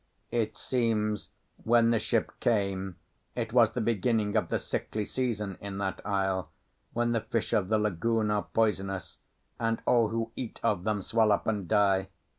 It seems, when the ship came, it was the beginning of the sickly season in that isle, when the fish of the lagoon are poisonous, and all who eat of them swell up and die.